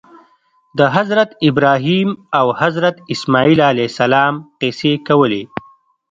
د حضرت ابراهیم او حضرت اسماعیل علیهم السلام قصې کولې.